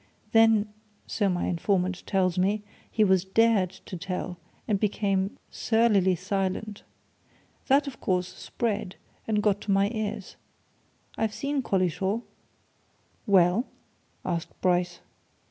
Then so my informant tells me he was dared to tell, and became surlily silent. That, of course, spread, and got to my ears. I've seen Collishaw." "Well?" asked Bryce.